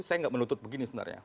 saya nggak menuntut begini sebenarnya